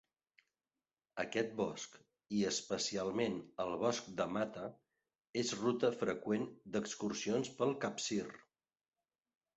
Aquest bosc, i especialment el Bosc de Mata, és ruta freqüent d'excursions pel Capcir.